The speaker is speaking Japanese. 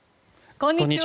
こんにちは。